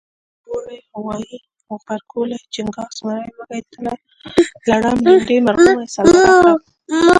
وری غوایي غبرګولی چنګاښ زمری وږی تله لړم لیندۍ مرغومی سلواغه کب